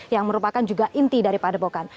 yang merupakan juga inti dari padepokan